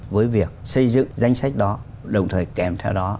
với việc xây dựng danh sách đó đồng thời kèm theo đó